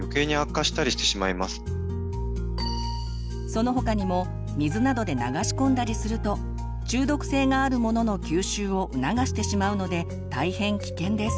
その他にも水などで流し込んだりすると中毒性があるものの吸収をうながしてしまうので大変危険です。